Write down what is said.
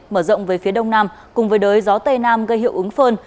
mở rộng về phía đông nam cùng với đới gió tây nam gây hiệu ứng phơn